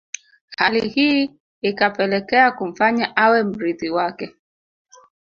Hali hii ikapelekea kumfanya awe mrithi wake